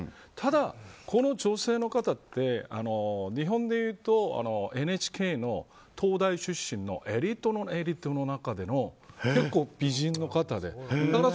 ただ、この女性の方って日本でいうとＮＨＫの東大出身のエリートのエリートの中で結構美人の方で。